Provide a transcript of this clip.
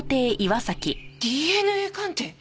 ＤＮＡ鑑定！？